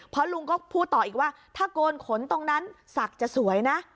เพราะลุงก็พูดต่ออีกว่าถ้าโกนขนตรงนั้นศักดิ์จะสวยนะ